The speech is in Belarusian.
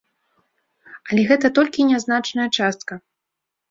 Але гэта толькі нязначная частка.